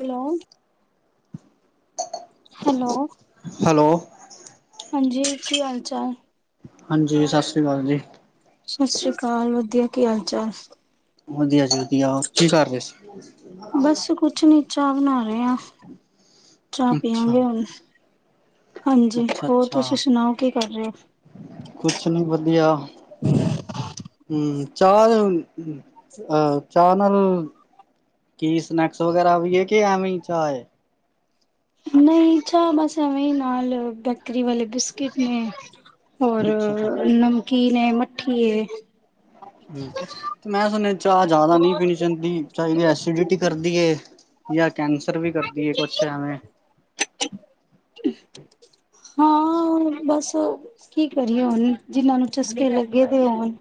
Hello, hello. Hello. ਹਾਂਜੀ, ਕੀ ਹਾਲ- ਚਾਲ? ਹਾਂਜੀ, ਸਤਿ ਸ੍ਰੀ ਅਕਾਲ ਜੀ। ਸਤਿ ਸ੍ਰੀ ਅਕਾਲ, ਵਧੀਆ, ਕੀ ਹਾਲ- ਚਾਲ? ਵਧੀਆ ਜੀ ਵਧੀਆ, ਹੋਰ ਕੀ ਕਰ ਰਹੇ ਸੀ? ਬਸ ਕੁਛ ਨੀ, ਚਾਹ ਬਣਾ ਰਹੇ ਆਂ, ਚਾਹ ਅੱਛਾ ਪਿਆਂਗੇ ਹੁਣ। ਹਾਂਜੀ, ਅੱਛਾ ਹੋਰ ਅੱਛਾ ਤੁਸੀਂ ਸੁਣਾਓ, ਕੀ ਕਰ ਰਹੇ ਹੋ? ਕੁਛ ਨੀ, ਵਧੀਆ। ਹਮ, ਚਾਰ, ਅ ਚਾਹ ਨਾਲ। ਕੀ, ਸਨੈਕਸ ਵਗੈਰਾ ਵੀ ਆ, ਕੀ ਐਂਵੇ ਈ ਚਾਹ ਹੈ? ਨਹੀਂ, ਚਾਹ ਬਸ ਐਵੇਂ ਹੀ, ਨਾਲ ਬੇਕਰੀ ਵਾਲੇ, ਬਿਸਕਿਟ ਨੇ। ਹੋਰ, ਅੱਛਾ ਅੱਛਾ ਨਮਕੀਨ ਏ, ਮੱਠੀ ਏ ਮੈਂ ਸੁਨੇਐ ਚਾਅ ਜਾਦਾ ਨੀ ਪੀਣੀ ਚਾਂਦੀ, ਚਾਈਦੀ ਐਸਿਡਿਟੀ ਕਰਦੀ ਏ ਯਾ ਕੈਂਸਰ ਵੀ ਕਰਦੀ ਏ ਕੁੱਛ ਐਂਵੇ। [inaudible] ਹਾਂ ਬਾੱਸ ਕੀ ਕਰੀਏ ਹੁਨ ਜਿਨਾਂ ਨੂੰ ਚਸਕੇ ਲੱਗੇ ਦੇ ਹੋਨ।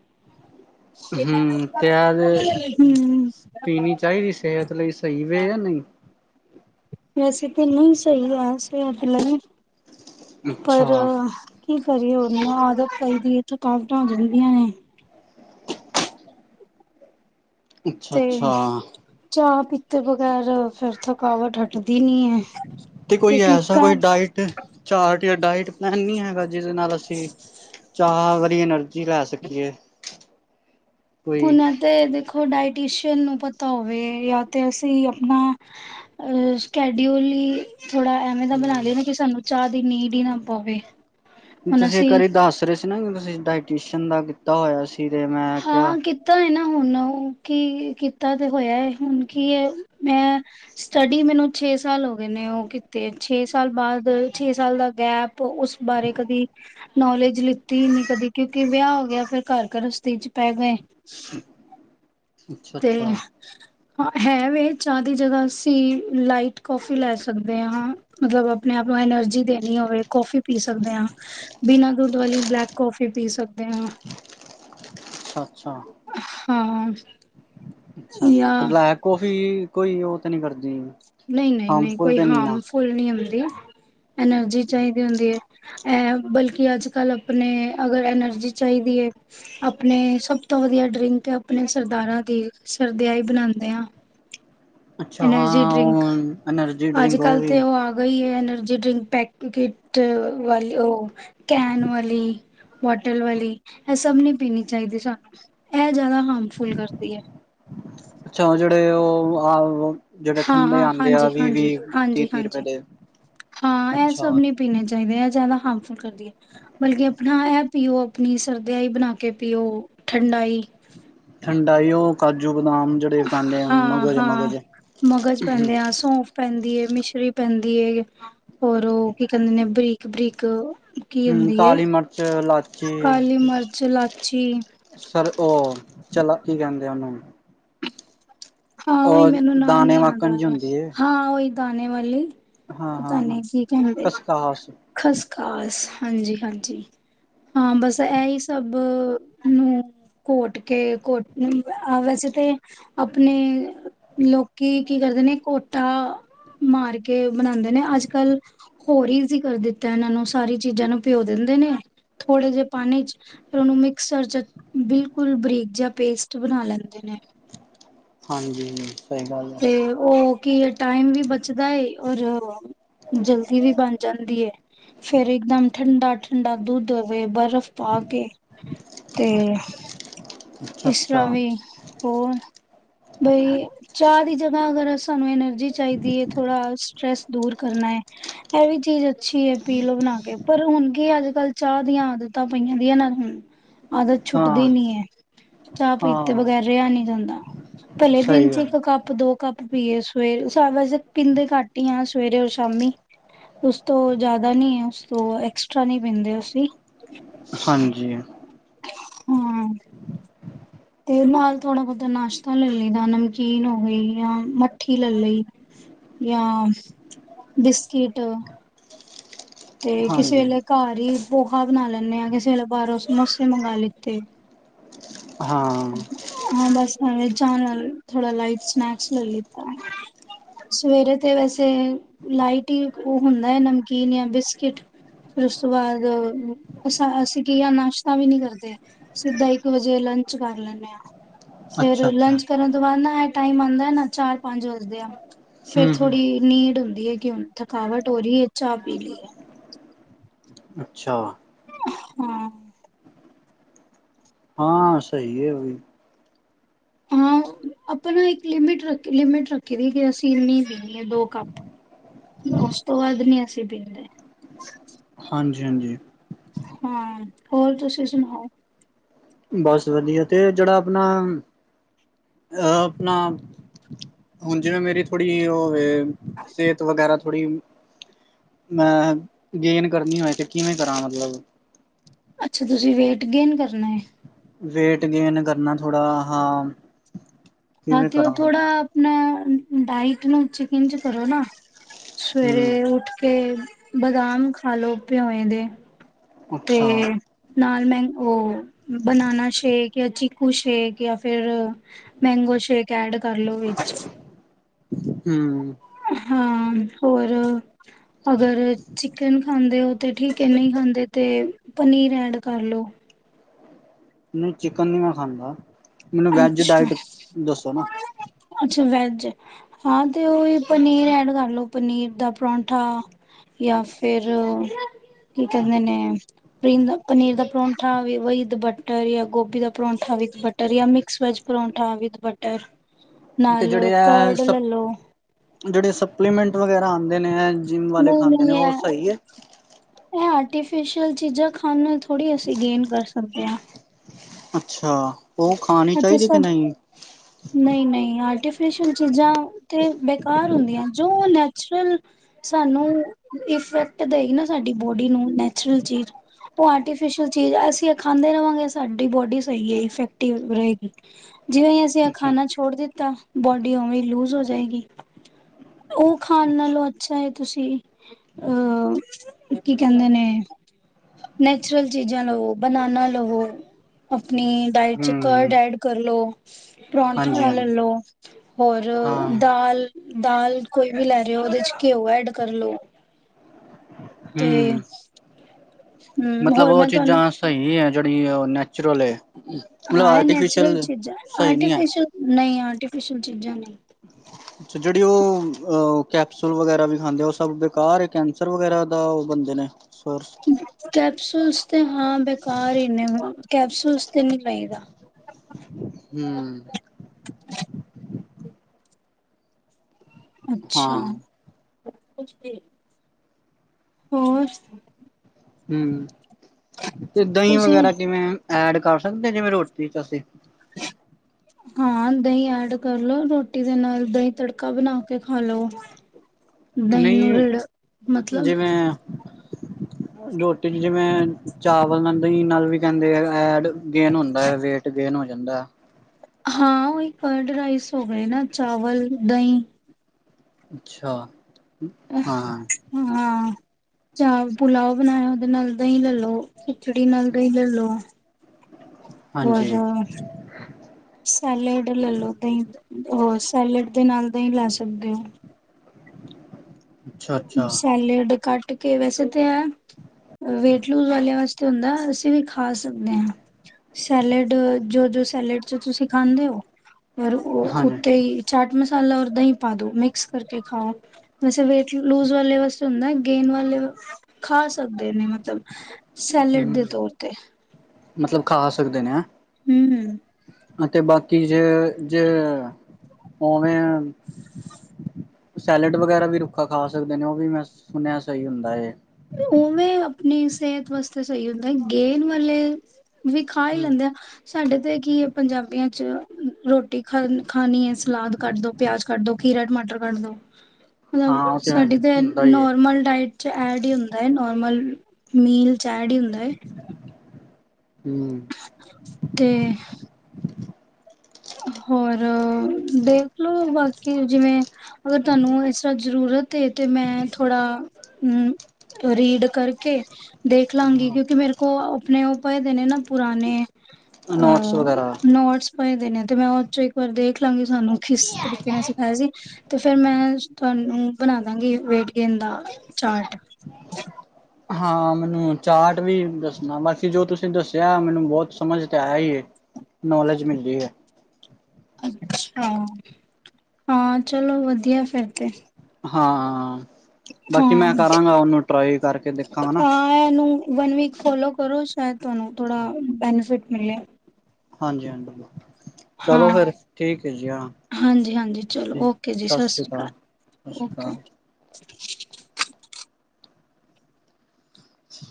ਹੂੰ, ਤੇ ਐ ਵੇ ਹੂੰ ਪੀਨੀ ਚਾਈਦੀ, ਸੇਹਤ ਲਈ ਸਈ ਵੇ ਯਾ ਨਹੀ? [unintelligible] ਪਰ, ਅੱਛਾ ਕੀ ਕਰੀਏ ਹੂਨ ਆਦਤ ਪਈ ਦੀ ਏ, ਥਕਾਵਟਾਂ ਹੋ ਜਂਦੀਆਂ ਨੇ ਅੱਛਾ ਤੇ ਅੱਛਾ ਚਾਅ ਪੀਤੇ ਬਗ਼ੈਰ ਫੇਰ ਥਕ ਥਕਾਵਟ ਹਟਦੀ ਨੀ ਏ, ਤੇ ਕੀਕਾਂ ਚਾਟ੍ਰ ਯਾ ਡਾਇਟ ਪਲੈਨ ਨੀ ਹੈਗਾ, ਜਿਦੇ ਨਾਲ ਅਸੀ ਚਾਅ ਵਾਲੀ ਐਨਰਜੀ ਰਖ ਪੈ ਸਕੀਏ ਕੋਈ ਹੁਨ ਐ ਤੇ ਦੇਖੋ ਡਾਇਟੀਸ਼ਅਨ ਨੂੰ ਪਤਾ ਹੋਵੇ ਯਾ ਤੇ ਅਸੀ ਅਪਨਾ ਅ ਸਕੈਡਊਲ ਈ ਥੋੜਾ ਐਵੇਂ ਦਾ ਬਨਾ ਲੀਏ ਨਾ ਕਿ ਸਾਨੂੰ ਚਾਅ ਦੀ ਨੀਡ ਈ ਨਾ ਪਵੇ ਹੁਣ ਤੂਸੀ ਇੱਕ ਅਸੀਂ ਵਾਰੀ ਦਾੱਸ ਰੇ ਸੀ ਨਾ ਕਿ ਤੂਸੀ ਡਾਇਟੀਸ਼ਨ ਦਾ ਕੀਤਾ ਹੋਏਆ ਸੀ ਤੇ ਮੈਂ ਹਾਂ, ਕੀ [inaudible] ਹੂੰ ਕੀ ਕੀਤਾ ਤੇ ਹੋਏਆ ਏ ਹੁਨ ਕੀ ਏ ਮੈਂ ਸਟੱਡੀ ਮੈਨੂੰ ਛੇ ਸਾਲ ਹੋਗੇ ਨੇ ਓ ਕੀਤੇ, ਛੇ ਸਾਲ ਬਾਦ, ਛੇ ਸਾਲ ਦਾ ਗੈਪ ਉਸ ਬਾਰੇ ਕਦੀ ਨੌਲੇਜ ਲਿੱਤੀ ਨੀ ਕਦੇ ਕਿਉਂਕਿ ਵਿਆ ਹੋ ਗੇਆ ਫਿਰ ਘਾਰ ਗਰਸਤ ਤੀ ਚ ਪੈ ਗਏ। ਅੱਛਾ ਤੇ ਅੱਛਾ ਹਾਂ, ਹੈ ਵੇ ਚਾਅ ਦੀ ਜਗਾ ਅਸੀ ਲਾਈਟ ਕੋਫੀ ਲੈ ਸਕਦੇ ਆਂ। ਮਤਲਬ ਅਪਨੇ ਆਪ ਨੂੰ ਐਨਰਜੀ ਦੇਨੀ ਹੋਵੇ ਕੋਫੀ ਪੀ ਸਕਦੇ ਆਂ। ਬਿਨਾਂ ਦੁੱਧ ਵਾਲੀ ਬਲੈਕ ਕੋਫੀ ਪੀ ਸਕਦੇ ਆਂ। ਅੱਛਾ। ਹਾਂ। ਅੱਛਾ, ਅੱਛਾ ਤੇ ਜਾਂ ਬਲੈਕ ਕੋਫੀ ਕੋਈ ਓ ਤੇ ਨੀ ਕਰਦੀ। ਨਹੀ, ਨਹੀ, ਨਹੀ ਹਾਰਮਫੁਲ ਕੋਈ ਤਾਂ ਨਹੀਂ ਨਾ ਹਾਮਫੁਲ ਨੀ ਹੁੰਦੀ, ਐਨਰਜੀ ਚਾਈਦੀ ਹੁੰਦੀ ਏ। ਐ ਬਲਕਿ ਅਜ-ਕਲ ਅਪਨੇ ਅਗਰ ਐਨਰਜੀ ਚਾਈਦੀ ਏ ਅਪਨੇ ਸਬ ਤੋਂ ਵਦੀਆ ਡਰਿੰਕ ਤੇ ਅਪਨੇ ਸਰਦਾਰਾਂ ਦੀ ਏ ਸਰਦਾਈ ਬਣਾਂਦੇ ਆਂ। ਅੱਛਾ ਐਨਰਜੀ ਹਾਂ ਡਰਿੰਕ ਉਹ ਐਨਰਜੀ ਡਰਿੰਕ ਉਹ ਆੱਜ-ਕਾੱਲ ਵੀ ਤੇ ਓ ਆ ਗਈ ਏ ਐਨਰਜੀ ਡਰਿੰਕ ਪੈਕਿੱਟ ਵਾਲੀ ਓ ਕੈਨ ਵਾਲੀ। ਬੋਟਲ ਵਾਲੀ, ਐ ਸਬ ਨੀ ਪੀਨੀ ਚਾਈਦੀ ਸਾਨੂੰ, ਐ ਜਾਦਾ ਹਾਮਫੁੱਲ ਕਰਦੀ ਏ। ਅੱਛਾ ਓ ਜੇੜੇ ਓ ਆ ਓ ਹਾਂ, ਹਾਂ, ਹਾਂਜੀ, ਹਾਂਜੀ, ਤੀਹ ਹਾਂਜੀ, ਤੀਹ ਰੁਪਏ ਹਾਂਜੀ ਦੇ ਹਾਂ, ਐ ਸਬ ਅੱਛਾ ਨੇ ਪੀਨੇ ਚਾਈਦੇ, ਐ ਜਾਦਾ ਹਾਮਫੁਲ ਕਰਦੀ ਏ। ਬਲਕਿ ਅਪਨਾ ਐ ਪੀਓ, ਅਪਨੀ ਸਰਦੀਆਈ ਬਨਾ ਕੇ ਪੀਓ, ਠੰਡਾਈ। ਠੰਡਾਈ ਓ ਕਾਜੂ, ਬਦਾਮ ਜ ਹਾਂ, ਹਾਂ ਮਗਜ ਪੈਂਦੇ ਆ ਸੌਂਫ ਪੈਂਦੀ ਏ, ਮਿਸ਼ਰੀ ਪੈਂਦੀ ਏ, ਹੋਰ ਓ ਕੀ ਕੈਂਦੇ ਨੇ ਬਰੀਕ-ਬਰੀਕ ਕੀ ਹਮ ਹੁੰਦੀ ਏ, ਕਾਲੀ ਮਿਰਚ ਇਲਾਚੀ ਕਾਲੀ ਮਰਚ, ਲਾਚੀ ਸਰ ਓ ਚਲਾ ਕੀ ਕੈਂਦੇ ਆ ਓਨੂੰ ਹਾਂ, ਓਈ ਮੈਨੂੰ ਨਾਮ ਦਾਣੇ ਨੀ ਯਾਦ ਵਾਕਣ ਜੀ ਆਏਆ, ਹੁੰਦੀ ਏ ਹਾਂ ਓਈ ਦਾਨੇ ਵਾਲੀ। ਹਾਂ ਪਤਾ ਹਾਂ ਹਾਂ ਨੇ ਕੀ ਕੈਂਦੇ, ਕਸਕਾਸ ਖਸਖਾਸ ਹਾਂਜੀ, ਹਾਂਜੀ। ਹਾਂ, ਬਸ ਐਈ ਸਬ ਨੂੰ ਘੋਟ ਕੇ ਕੋਟ ਨੀ ਅ ਵੈਸੇ ਤੇ ਅਪਨੇ ਲੋਕੀ ਕੀ ਕਰਦੇ ਨੇ ਕੋਠਾ ਮਾਰ ਕੇ ਬਨਾਂਦੇ ਨੇ ਅਜ-ਕਲ, ਹੋਰ ਈਜੀ਼ ਕਰ ਦਿੱਤਾ ਐਨਾਂ ਨੂੰ, ਸਾਰੀ ਚੀਜਾਂ ਨੂੰ ਭਿਓ ਦੇਂਦੇ ਨੇ, ਥੋੜੇ ਜੇ ਪਾਨੀ ਚ ਫਿਰ ਓਨੂੰ ਮਿਕਸਰ ਚ ਬਿਲਕੁਲ ਬਰੀਕ ਜਹਾ ਪੇਸਟ ਬਣਾ ਲੈਂਦੇ ਨੇ। ਹਾਂਜੀ। ਗੱਲ ਹੈ ਤੇ ਓ ਕੀ ਟਾਈਮ ਵੀ ਬਚਦਾ ਏ ਔਰ ਜਲਦੀ ਵੀ ਬਣ ਜਾਂਦੀ ਏ ਫੇਰ ਇੱਕਦਮ ਠੰਡਾ-ਠੰਡਾ ਦੁੱਧ ਹੋਵੇ ਬਰਫ਼ ਪਾ ਕੇ ਤੇ ਅੱਛਾ ਇਸਰ੍ਹਾਂ ਅੱਛਾ ਵੀ ਹੋਰ ਬਈ ਚਾਹ ਦੀ ਜਗ੍ਹਾ ਅਗਰ ਸਾਨੂੰ ਇਹਨੇ ਚਾਹੀਦੀ ਹੈ ਥੋੜਾ ਸਟ੍ਰੈਸ ਦੂਰ ਕਰਨਾ ਏ ਵੀ ਚੀਜ਼ ਅੱਛੀ ਏ ਪੀ ਲੋੋ ਬਣਾ ਕੇ। ਪਰ ਹੁਣ ਕੀ ਅੱਜ-ਕੱਲ੍ਹ ਚਾਹ ਦੀਆਂ ਆਦਤਾਂ ਪਈਆਂ ਦੀਆਂ ਨਾਲ ਹੁ ਆਦਤ ਛੁੱਟਦੀ ਹਾਂ ਨੀ ਏ ਚਾਹ ਪੀਤੇ ਹਾਂ ਬਗੈਰ ਰਿਹਾ ਨੀ ਜਾਂਦਾ ਭਲੇ ਦਿਨ ਸਹੀ ਚ ਗੱਲ ਕੱਪ ਦੋ ਕੱਪ ਪੀਏ ਸਵੇਰ ਸ ਵੈਸੇ ਪੀਂਦੇ ਘੱਟ ਹੀ ਆ ਸਵੇਰੇ ਰ ਸ਼ਾਮੀ। ਉਸ ਤੋਂ ਜਿਆਦਾ ਨੀ ਉਸ ਤੋਂ ਐਕਸਟਰਾ ਨੀ ਪੀਦੇ ਅਸੀ। ਹਾਂਜੀ ਹੂੰ ਤੇ ਨਾਲ ਥੋੜਾ ਬੋਤਾ ਨਾਸ਼ਤਾ ਲੈ ਲਈਦਾ ਨਮਕੀਨ ਹੋ ਗਈ ਜਾਂ ਮੱਠੀ ਲੈ ਲਈ। ਜਾਂ ਬਿਸਕਿਟ ਤੇ ਕਿਸੇ ਹਾਂਜੀ ਵੇਲੇ ਘਰ ਹੀ ਪੋਹਾ ਬਣਾ ਲੈਂਦੇ ਆਾਂ ਕਿਸੇ ਵੇਲੇ ਬਾਹਰੋਂ ਸਮੋਸੇ ਮੰਗਾ ਲਿੱਤੇ। ਹਾਂ ਹਾਂ ਬਸ ਜਾਣ ਥੋੜਾ ਲਾਈਟ ਸਨੈਕਸ ਲੈ ਲਿੱਤਾ। ਸਵੇਰੇ ਤੇ ਵੈਸੇ ਲਾਈਟ ਈ ਓ ਹੁੰਦਾ ਆ ਨਮਕੀਨ ਜਾਂ ਬਿਸਕਿਟ। ਫਿਰ ਉਸ ਤੋਂ ਬਾਅਦ ਅ ਅਸੀਂ ਕੀਈਆਂ ਨਾਸ਼ਤਾ ਵੀ ਨੀ ਕਰਦੇ। ਸਿੱਧਾ ਇੱਕ ਵਜੇ ਲੰਚ ਕਰ ਲੈਂਨੇ ਆ ਫੇਰ ਅੱਛਾ ਅੱਛਾ ਲੰਚ ਕਰਨ ਤੋਂ ਬਾਅਦ ਨਾ ਟਾਈਮ ਆਦਾ ਨਾ ਚਾਰ ਪੰਜ ਵੱਜਦੇ ਆ ਫੇਰ ਹਮ ਹਮ ਥੋੜੀ ਨੀਡ ਹੁੰਦੀ ਹੈਗੀ ਕਿ ਥਕਾਵਟ ਹੋ ਰਹੀ ਏ ਚਾਹ ਪੀ ਲਈਏ। ਅੱਛਾ। ਹੂੰ। ਹਾਂ ਸਈ ਐ ਓਵੀ ਹਾਂ ਆਪਾਂਣਾ ਇੱਕ ਲਿਮਿਟ ਰੱਖ ਲਿਮਿਟ ਰੱਖੀ ਦੀ ਕਿ ਅਸੀਂ ਇੰਨੀ ਦੇਣੀ ਐ ਦੋ ਕੱਪ ਓਸ ਤੋਂ ਬਾਅਦ ਨੀ ਅਸੀਂ ਪੀਂਦੇ। ਹਾਂਜੀ-ਹਾਂਜੀ। ਹਾਂ। ਹੋਰ ਤੁਸੀਂ ਸੁਣਾਓ? ਬਸ ਵਧੀਆ ਤੇ ਜਿਹੜਾ ਆਪਣਾ ਅਹ ਆਪਣਾ ਹੁਣ ਜਿਵੇਂ ਮੇਰੀ ਥੋੜ੍ਹੀ ਉਹ ਸਿਹਤ ਵਗੈਰਾ ਥੋੜੀ ਮੈਂ ਗੇਨ ਕਰਨੀ ਹੋਵੇ ਕਿ ਕਿਵੇਂ ਕਰਾਂ ਮਤਲਬ? ਅੱਛਾ ਤੁਸੀਂ ਵੇਟ ਗੇਨ ਕਰਨਾ ਐ। ਵੇਟ-ਗੇਨ ਕਰਨਾ। ਥੋੜਾ ਹਾ, ਕਿਵੇਂ-ਕਰਾਂ ਨਾ ਡਾਇਟ ਨੂੰ ਚਿਕਿੰਜ ਕਰੋ ਨਾ ਹੂੰ ਸਵੇਰੇ ਉੱਠ ਕੇ ਬਦਾਮ ਖਾ ਲੋ ਪਿਓਂਏ ਦੇ। ਤੇ ਅੱਛਾ ਨਾਲ ਮੈਂ ਉਹ ਬਨਾਨਾ ਸ਼ੇਕ ਜਾਂ ਚੀ ਕੂ ਸ਼ੇਕ ਜਾਂ ਫੇਰ ਮੈਂਗੋ ਸ਼ੇਕ ਐਡ ਕਰਲੋ ਵਿੱਚ। ਹਮਮ ਹਾਂ, ਹੋਰ। ਅਗਰ, ਚਿਕਨ ਖਾਂਦੇ ਹੋ ਤਾਂ ਠੀਕ ਹੈ ਨਹੀਂ ਖਾਂਦੇ ਤੇ ਪਨੀਰ ਐਡ ਕਰਲੋ। ਨਹੀ ਚਿਕਨ ਨੀ ਮੈਂ ਖਾਂਦਾ੍, ਮੈਨੂੰ ਵੈੱਜ ਅੱਛਾ, ਡਾਇਟ ਦੱਸੋ ਨਾ ਅੱਛਾ ਵੈਜ ਹਾਂ ਤੇ ਉਹੀ ਪਨੀਰ ਐਡ ਕਰਲੋ। ਪਨੀਰ ਦਾ ਪਰੌਂਠਾ ਜਾਂ ਫੇਰ ਕੀ ਕਰਹਿੰਦੇ ਨੇ ਪਰਿੰਦਾ ਪਨੀਰ ਦਾ ਪਰੌਂਠਾ ਵੀ ਬਟ ਬਟਰ ਯ ਗੋਭੀ ਦਾ ਪਰੌਠਾ ਵਿਦ ਬਟਰ ਜਾਂ mix veg paratha with butter ਤੇ ਨਾਲ ਜਿਹੜੇ ਆ ਕਰਡ ਸ ਲੈਲੋ ਜੇੜੇ ਸਪਲੀਮੈਂਟ ਵਗੈਰਾ ਆਂਦੇ ਨੇ ਆ ਜਿੰਮ ਵਾਲੇ ਖਾਂਦੇ ਨੇ ਓ ਸਹੀ ਐ? ਏ ਆਰਟੀਫਿਸ਼ਅਲ ਚੀਜ਼ਾਂ ਖਾਣ ਨਾਲ ਥੋੜ੍ਹੀ ਅਸੀਂ ਗੇਨ ਕਰ ਸਕਦੇ ਆ। ਅੱਛਾ ਓ ਖਾਣੀ ਚਾਹੀਦੀ ਕਿ ਨਈ? ਨਈ-ਨਈ ਆਰਟੀਫਿਸ਼ਲ ਚੀਜ਼ਾਂ ਤੇ ਬੇਕਾਰ ਹੁੰਦੀਆਂ ਜੋ ਨੈਚੁਰਲ ਸਾਨੂੰ ਇਫੈਕਟ ਦੇਗੀ ਨਾ ਸਾਡੀ ਬੋਡੀ ਨੂੰ ਨੈਚੁਰਲ ਚੀਜ਼ ਓ ਆਰਟੀਫਿਸਲ ਚੀਜ਼ ਆ ਅਸੀਂ ਖਾਂਦੇ ਰਹਾਂਗੇ ਸਾਡੀ ਬੋਡੀ ਸਈ ਏ ਇਫੈਕਟਿਵ ਰਹੇਗੀ। ਜਿਵੇਂ ਹੀ ਅਸੀਂ ਅੱਛਾ ਖਾਨਾ ਛੋੜ ਦਿੱਤਾ ਬੋਡੀ ਉਵੇਂ ਲੂਜ ਹੋ ਜਾਏਗੀ। ਓ ਖਾਣ ਨਾਲੋਂ ਅੱਛਾ ਏ ਤੁਸੀਂ ਅਹ ਕੀ ਕਹਿੰਦੇ ਨੇ ਨੈਚੁਰਲ ਚੀਜ਼ਾਂ ਲਵੋ ਬਨਾਨਾ ਲਵੋ ਆਪਨੀ ਡਾਇਟ ਚ ਕਰਡ ਹੂੰ ਐਡ ਕਰ ਲਓ। ਹਾਂਜੀ ਪਰੌਠਾ ਲੈ ਹਾਂਜੀ ਲੋ ਹੋਰ ਹਾਂ ਦਾਲ ਦਾਲ ਕੋਈ ਵੀ ਲੈ ਰਹੇ ਹੋ ਉਹਦੇ ਚ ਘਿਓ ਐਡ ਕਰ ਲੋ। ਹਮ ਤੇ ਮਤਲਬ ਹਮਮ--ਹੋਰ ਉਹ ਮੈਂ ਤੁਹਾਨੂੰ ਚੀਜ਼ਾਂ ਸਹੀ ਹੈ। ਜਿਹੜੀ ਉਹ ਨੈਚੁਰਲ ਏ ਮਤਲਬ ਹਾਂ ਆਰਟੀਫਿਸ਼ਲ ਸਹੀ ਨਹੀਂ ਐ। ਨਈਂ, ਆਰਟੀਫਿਸ਼ਅਲ ਚੀਜ਼ਾਂ ਨਈਂ [unintelligible] [inaudible] ਅੱਛਾ, ਜਿਹੜੀ ਉਹ ਕੈਪਸੂਲ ਵਗੈਰਾ ਵੀ ਖਾਂਦੇ ਉਹ ਸਭ ਬੇਕਾਰ ਹੈ। ਕੈਂਸਰ ਵਗੈਰਾ ਦਾ ਉਹ ਬੰਦੇ ਨੇ ਸਰ ਕੈਪਸੂਲਸ ਤੇ ਹਾਂ ਬੇਕਾਰ ਹੀ ਨੇ ਕੈਪਸੂਲਸ ਤੇ ਨਹੀਂ ਚਾਹੀਦਾ। ਹੂੰ। ਅੱਛਾ ਹਾਂ ਪੁੱਛ ਦੇ- ਹੋਰ ਹੂੰ ਤੇ ਦਹੀਂ ਤੁਸੀਂ ਵਗੈਰਾ ਜਿਵੇਂ ਐਡ ਕਰ ਸਕਦੇ-ਜਿਵੇਂ ਰੋਟੀ ਚ ਅਸੀਂ ਹਾਂ, ਦਹੀਂ ਐਡ ਕਰ ਲੋ, ਰੋਟੀ ਦੇ ਨਾਲ ਦਹੀਂ ਤੜਕਾ ਬਣਾ ਕੇ ਖਾ ਲੋ। ਦਹੀਂ ਨੂੰ ਰਿੜ ਨਹੀਂ ਮਤਲਬ ਜਿਵੇਂ- ਰੋਟੀ ਚ ਜਿਵੇਂ ਚਾਵਲ ਨਾਲ ਦਹੀਂ ਨਾਲ ਵੀ ਕਹਿੰਦੇ ਆ ਐਡ ਗੇਨ ਹੁੰਦਾ ਹੈ। ਵੇਟ ਗੇਨ ਹੋ ਜਾਂਦਾ। ਹਾਂ, ਉਹੀ ਕਰਡ ਰਾਈਸ ਹੋ ਗਏ ਨਾ ਚਾੱਵਲ, ਦਹੀਂ ਅੱਛਾ, ਹਾਂ ਹਾਂ, ਚਾਵਲ ਪੁਲਾਓ ਬਣਾਇਆ। ਉਹਦੇ ਨਾਲ ਦਹੀਂ ਲੈਲਓ। ਖਿਚੜੀ ਨਾਲ ਦਹੀਂ ਲੈਲੋ ਹਾਂਜੀ ਹੋਰ ਸੈਲਡ ਲੈਲੋ, ਤਾਂ ਸੈਲਡ ਦੇ ਨਾਲ ਦਹੀਂ ਲੈ ਸਕਦੇ ਹੋ। ਅੱਛਾ ਅੱਛਾ ਸੈਲੇਡ ਕੱਟ ਕੇ ਵੈਸੇ ਤਾਂ ਐ ਵੇਟ ਲੂਜ ਵਾਲਿਆਂ ਵਾਸਤੇ ਹੁੰਦਾ। ਅਸੀਂ ਵੀ ਖਾ ਸਕਦੇ ਹਾਂ। ਸੈਲਡ ਜੋ ਜੋ ਸੈਲਡ ਚ ਤੁਸੀਂ ਖਾਂਦੇ ਹੋ ਪਰ ਔ ਹਾਂਜੀ ਉੱਤੇ ਹੀ ਚਾਟ ਮਸਾਲਾ ਰ ਦਹੀਂ ਪਾ ਦੋ ਮਿਕਸ ਕਰਕੇ ਖਾਓ ਵੈਸੇ ਵੇਟ ਲੂਜ਼ ਵਾਲੇ ਵਾਸਤੇ ਹੁੰਦਾ ਗੇਨ ਵਾਲੇ ਖਾ ਸਕਦੇ ਨੇ ਮਤਲਬ ਸੈਲਡ ਦੇ ਹਮ ਤੌਰ ਤੇ ਮਤਲਬ ਖਾ ਸਕਦੇ ਨੇ ਹੈਂ ਹੂੰ-ਹੂੰ। ਅਤੇ ਬਾਕੀ ਜੇ ਜੇ ਉਵੇਂ ਸੈਲਡ ਵਗੈਰਾ ਵੀ ਰੁੱਖਾ ਖਾ ਸਕਦੇ ਨੇ, ਉਹ ਵੀ ਮੈਂ ਸੁਣਿਆ ਸਹੀ ਹੁੰਦਾ ਹੈ। ਉਵੇਂ ਆਪਣੀ ਸਿਹਤ ਵਾਸਤੇ ਸਹੀ ਹੁੰਦਾ, ਗੇਂਦ ਵਾਲੇ ਵੀ ਖਾ ਹੀ ਲੈਂਦੇ ਆ, ਸਾਡੇ ਤੇ ਕੀ ਪੰਜਾਬੀਆਂ 'ਚ ਰੋਟੀ ਰੋਟੀ ਖਾ ਖਾਣੀ ਏ। ਸਲਾਦ ਕੱਟ ਦੋ, ਪਿਆਜ ਕੱਟ ਦੋ, ਖੀਰਾ- ਟਮਾਟਰ ਕੱਟ ਦੋ। ਮਤਲਬ ਹਾਂ ਉਹ ਸਾਡੀ ਤੇ ਹੁੰਦਾ ਹੀ ਹੈ ਨੋਰਮਲ ਡਾਇਟ। ਚ ਐਡ ਹੀ ਹੁੰਦਾ ਏ, ਨੋਰਮਲ ਮੀਲ ਚ ਐਡ ਈ ਹੁੰਦਾ ਏ। ਹੂੰ ਅਤੇ [inaudible] ਹੋਰ, ਦੇਖਲੋ ਬਾਕੀ ਜਿਵੇਂ ਅਗਰ ਤੁਹਾਨੂੰ ਇਸ ਤਰ੍ਹਾਂ ਜ਼ਰੂਰਤ ਤੇ, ਤੇ ਮੈਂ ਥੋੜਾ ਰੀਡ ਕਰਕੇ ਦੇਖ ਲਾਂਗੀ, ਹਮ ਕਿਉਂਕਿ ਮੇਰੇ ਕੋਲ ਆਪਣੇ ਉਹ ਪਏ ਦੇ ਨੇ ਨਾ ਪੁਰਾਣੇ ਨੋਟਸ ਅ ਵਗੈਰਾ ਨੋਟਸ ਪਏ ਦੇ ਨੇ ਤੇ ਮੈਂ ਉਹ ਚੋਂ ਇੱਕ ਵਾਰ ਦੇਖ ਲਾਂਗੀ। ਸਾਨੂੰ ਕਿਸ ਤਰੀਕੇ ਨੇ ਸਿਖਾਇਆ ਸੀ ਤੇ ਫੇਰ ਮੈਂ ਤੁਹਾਨੂੰ ਬਣਾ ਦਾਂਗੇ ਵੇਟ ਗੇਨ ਦਾ ਚਾਰਟ। ਹਾਂ, ਮੈਨੂੰ ਚਾਰਟ ਵੀ ਦੱਸਣਾ ਬਾਕੀ ਜੋ ਤੁਸੀਂ ਦੱਸਿਆ ਮੈਨੂੰ ਬਹੁਤ ਸਮਝ ਤੇ ਆਇਆ ਹੀ ਏ। ਨੌਲੇਜ ਮਿਲ ਰਹੀ ਹੈ। ਅੱਛਾ, ਹਾਂ ਚਲੋ ਵਧੀਆ ਫਿਰ ਤੇ ਹਾਂ, ਬਾਕੀ ਮੈਂ ਹਾਂ ਕਰਾਂਗਾ ਉਹਨੂੰ ਟਰਾਈ ਕਰਕੇ ਦੇਖਾਂਗਾ। ਹਾਂ ਇਹਨੂੰ ਵਨ ਵੀਕ ਫੋਲੋ ਕਰੋ। ਸ਼ਾਇਦ ਤੁਹਾਨੂੰ ਥੋੜਾ ਬੈਨੀਫਿਟ ਮਿਲੇ। ਹਾਂਜੀ, ਹਾਂਜੀ ਚਲੋ ਹਾਂ ਫੇਰ ਠੀਕ ਹੈ ਜੀ ਹਾਂ ਹਾਂਜੀ-ਹਾਂਜੀ ਚਲੋ ਠੀ ਓਕੇ ਜੀ ਸਤਿ ਸ੍ਰੀ ਸ਼੍ਰੀ ਅਕਾਲ। ਸਤਿ ਸ਼੍ਰੀ ਓਕੇ। ਅਕਾਲ [unintelligible]